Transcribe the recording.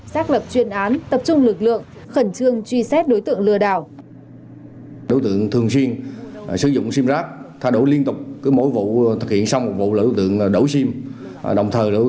xác lập chuyên án tập trung lực lượng khẩn trương truy xét đối tượng lừa đảo